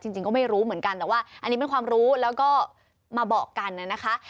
จริงก็ไม่รู้เหมือนกันแต่ว่าอันนี้เป็นความรู้แล้วก็มาบอกกันนะคะ